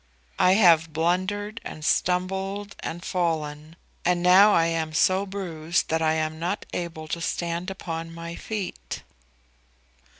I have blundered and stumbled and fallen, and now I am so bruised that I am not able to stand upon my feet."